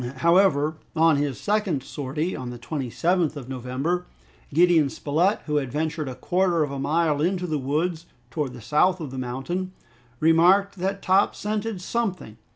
However, on his second sortie, on the 27th of November, Gideon Spilett, who had ventured a quarter of a mile into the woods, towards the south of the mountain, remarked that Top scented something.